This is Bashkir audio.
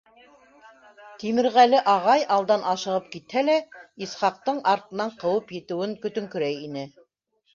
Тимерғәле ағай алдан ашығып китһә лә, Исхаҡтың артынан ҡыуып етеүен көтөңкөрәй ине.